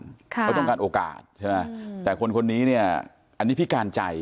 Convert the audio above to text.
เขาต้องการโอกาสใช่ไหมแต่คนคนนี้เนี่ยอันนี้พิการใจ